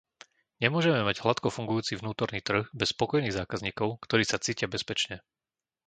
Nemôžeme mať hladko fungujúci vnútorný trh bez spokojných zákazníkov, ktorí sa cítia bezpečne.